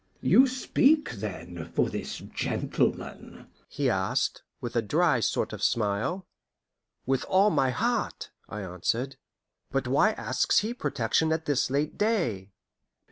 "You speak, then, for this gentleman?" he asked, with a dry sort of smile. "With all my heart," I answered. "But why asks he protection at this late day?"